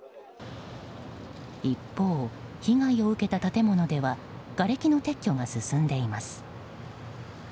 一方、被害を受けた建物ではがれきの撤去が進んでいます。